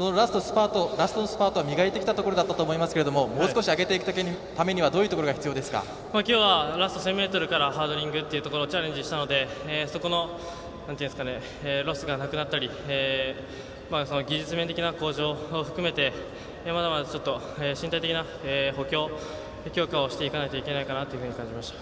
ラストスパートは磨いてきたところだったと思いますけれどももう少しあげていくためにはきょうはラスト１０００ｍからハードリングというところチャレンジしたのでそこのロスがなくなったり技術面的な向上を含めてまだまだちょっと身体的な補強、強化をしていかなきゃいけないなと感じました。